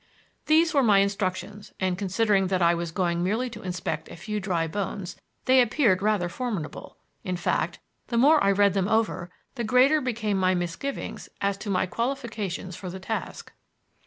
These were my instructions, and, considering that I was going merely to inspect a few dry bones, they appeared rather formidable; in fact, the more I read them over the greater became my misgivings as to my qualifications for the task.